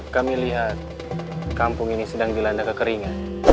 kami lihat kampung ini sedang dilanda kekeringan